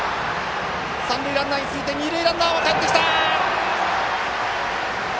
三塁ランナーに続いて二塁ランナーもかえってきた！